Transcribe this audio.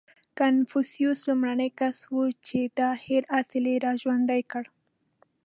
• کنفوسیوس لومړنی کس و، چې دا هېر اصل یې راژوندی کړ.